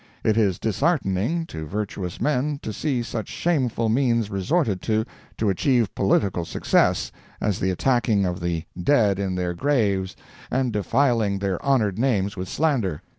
It is disheartening to virtuous men to see such shameful means resorted to to achieve political success as the attacking of the dead in their graves and defiling their honored names with slander.